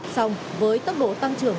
xong với tốc độ tăng trưởng